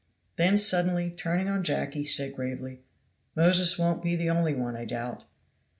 Then suddenly turning on Jacky he said gravely, "Moses won't be the only one, I doubt."